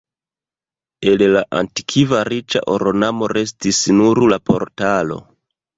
El la antikva riĉa ornamo restis nur la portalo.